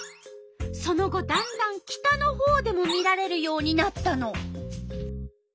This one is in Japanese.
その後だんだん北のほうでも見られるようになったの。